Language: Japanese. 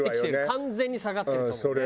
完全に下がってると思うね。